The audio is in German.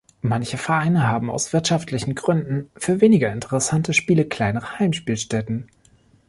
Manche Vereine haben aus wirtschaftlichen Gründen, für weniger interessante Spiele, kleinere Heimspielstätten.